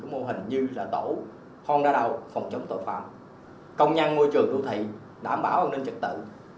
mô hình như tổ phong đa đạo phòng chống tội phạm công nhăn môi trường đô thị đảm bảo an ninh trật tự